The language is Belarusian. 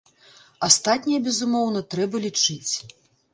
Астатняе, безумоўна, трэба лічыць.